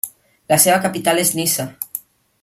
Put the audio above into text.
La seva capital és Niça.